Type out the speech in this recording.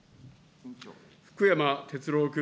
福山哲郎君。